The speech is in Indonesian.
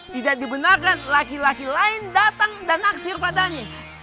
tidak dibenarkan laki laki lain datang dan naksir padanya